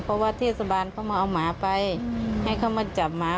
เพราะว่าเทศบาลเขามาเอาหมาไปให้เขามาจับหมา